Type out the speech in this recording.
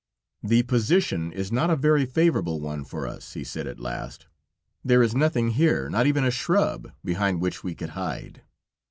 "The position is not a very favorable one for us," he said at last; "there is nothing here, not even a shrub, behind which we could hide."